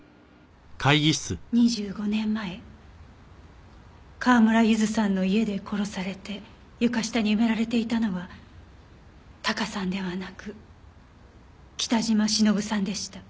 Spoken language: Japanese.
２５年前川村ゆずさんの家で殺されて床下に埋められていたのはタカさんではなく北島しのぶさんでした。